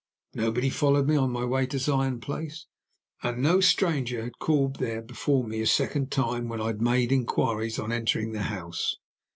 Nobody followed me on my way to Zion Place, and no stranger had called there before me a second time, when I made inquiries on entering the house.